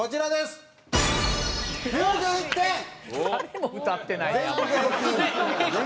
誰も歌ってないやん。